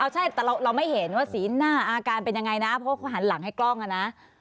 ใช่แต่เราไม่เห็นว่าสีหน้าอาการเป็นยังไงนะเพราะเขาหันหลังให้กล้องนะ